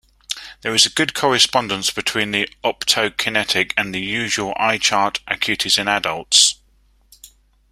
There is a good correspondence between the optokinetic and usual eye-chart acuities in adults.